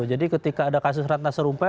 jadi ketika ada kasus ratnasar iv itu juga begitu